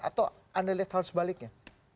atau anda lihat hal sebaliknya